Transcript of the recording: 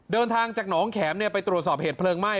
เดินทางจากหนองแข็มไปตรวจสอบเหตุเพลิงไหม้